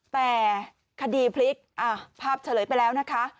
แต่คดีพลิกภาพเฉลยไปแล้วนะคะ